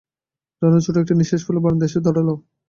রানু ছোট একটি নিঃশ্বাস ফেলে বারান্দায় এসে দাঁড়াল।